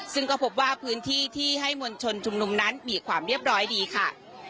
ซึ่งก็พบว่าพื้นที่ที่ให้มวลชนชุมนุมนั้นมีความเรียบร้อยดีค่ะ